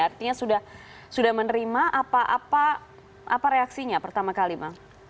artinya sudah menerima apa reaksinya pertama kali bang